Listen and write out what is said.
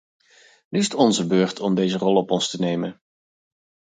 Nu is het onze beurt om deze rol op ons te nemen.